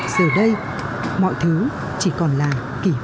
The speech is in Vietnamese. giờ đây mọi thứ chỉ còn lại